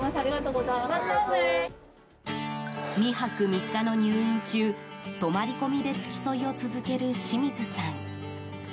２泊３日の入院中泊まり込みで付き添いを続ける清水さん。